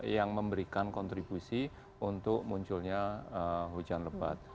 yang memberikan kontribusi untuk munculnya hujan lebat